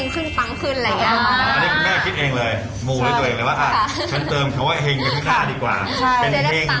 เพื่อให้ชีวิตเฮงขึ้นปังขึ้น